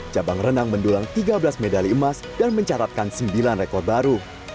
cabang renang mendulang tiga belas medali emas dan mencatatkan sembilan rekor baru